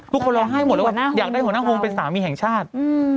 คนร้องไห้หมดเลยว่าอยากได้หัวหน้าวงเป็นสามีแห่งชาติ